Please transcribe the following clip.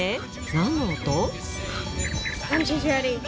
何の音？